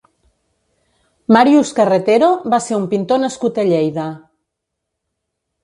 Màrius Carretero va ser un pintor nascut a Lleida.